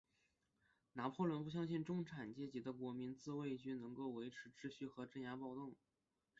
拿破仑不相信中产阶级的国民自卫军能够维持秩序和镇压暴动。